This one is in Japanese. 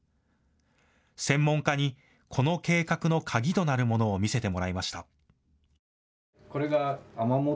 専門家にこの計画の鍵となるものを見せてもらいました。